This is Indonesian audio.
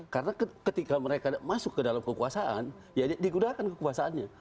karena ketika mereka masuk ke dalam kekuasaan ya digunakan kekuasaannya